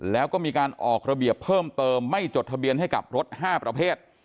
แล้วก็มีการออกระเบียบเพิ่มเติมไม่จดทะเบียนให้กับรถ๕ประเภท